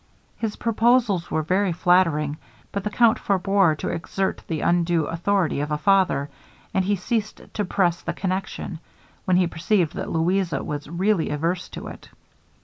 His proposals were very flattering, but the count forbore to exert the undue authority of a father; and he ceased to press the connection, when he perceived that Louisa was really averse to it.